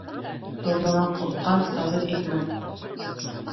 Торнанан ҡурҡҡан тары икмәҫ.